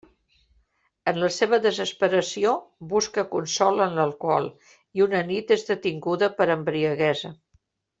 En la seva desesperació, busca consol en l'alcohol i una nit és detinguda per embriaguesa.